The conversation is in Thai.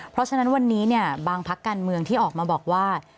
เพราะฉะนั้นวันนี้บางพักการเมืองที่ออกมาบอกว่า